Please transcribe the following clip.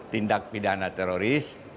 tindak pidana teroris